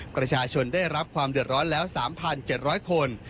ประชาชนได้รับความเดือดร้อนแล้วสามพันเจ็ดร้อยคน